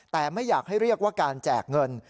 แต่ไม่อยากให้เรียกว่าการแจกเงิน